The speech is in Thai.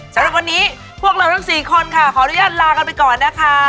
สำหรับวันนี้พวกเราทั้ง๔คนค่ะขออนุญาตลากันไปก่อนนะคะ